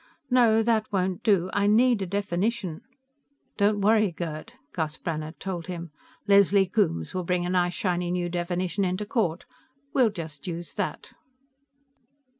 "No, that won't do. I need a definition." "Don't worry, Gerd," Gus Brannhard told him. "Leslie Coombes will bring a nice shiny new definition into court. We'll just use that."